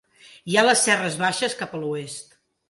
Hi ha les serres baixes cap a l'oest.